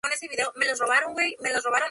Casualmente, Corbett es el jefe.